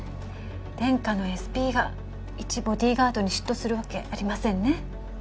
天下のＳＰが一ボディーガードに嫉妬するわけありませんね。